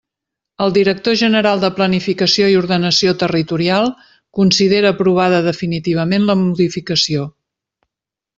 El director general de Planificació i Ordenació Territorial considera aprovada definitivament la modificació.